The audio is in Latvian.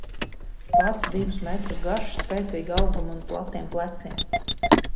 Pats divus metrus garš, spēcīga auguma un platiem pleciem.